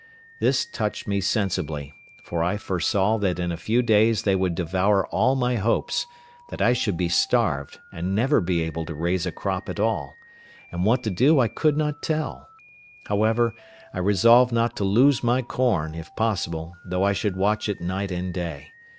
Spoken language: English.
This touched me sensibly, for I foresaw that in a few days they would devour all my hopes; that I should be starved, and never be able to raise a crop at all; and what to do I could not tell; however, I resolved not to lose my corn, if possible, though I should watch it night and day.